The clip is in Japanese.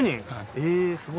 えすごい。